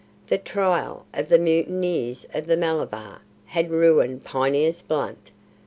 The trial of the mutineers of the Malabar had ruined Phineas Blunt.